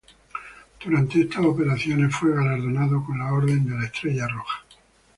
Durante estas operaciones fue galardonado con la Orden de la Estrella Roja.